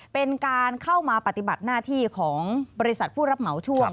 เป็นการเข้ามาปฏิบัติหน้าที่ของบริษัทผู้รับเหมาช่วง